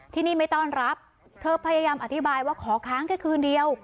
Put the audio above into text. ที่นี่ไม่ต้อนรับเธอพยายามอธิบายว่าขอค้างแค่คืนเดียว